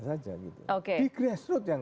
saja di grassroot yang